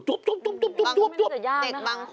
ตุ๊บ